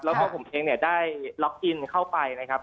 แล้วก็ผมเองเนี่ยได้ล็อกอินเข้าไปนะครับ